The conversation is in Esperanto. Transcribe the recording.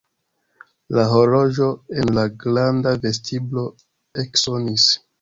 La horloĝo en la granda vestiblo eksonis.